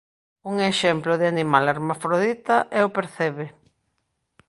Un exemplo de animal hermafrodita é o percebe.